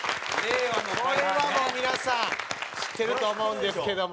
これはもう皆さん知ってると思うんですけども。